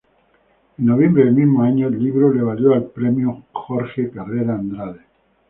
En noviembre del mismo año el libro le valió el Premio Jorge Carrera Andrade.